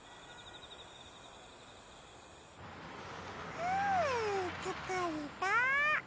ふうつかれた。